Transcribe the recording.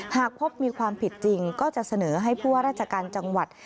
หากพบมีความผิดจริงก็จะเสนอให้ผู้ว่าราชการจังหวัด